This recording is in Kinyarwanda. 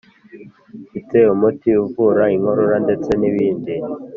mfite umuti uvura inkorora ndetse nibindi